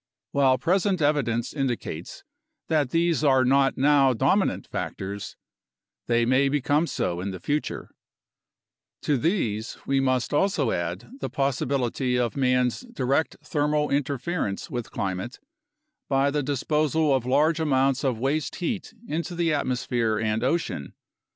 While present evidence indicates that these are not now dominant factors, they may become so in the future. To these we must also add the possibility of man's direct thermal inter A NATIONAL CLIMATIC RESEARCH PROGRAM 65 ference with climate by the disposal of large amounts of waste heat into the atmosphere and ocean.